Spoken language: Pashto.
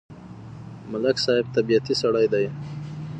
ملک صاحب طبیعتی سړی دی.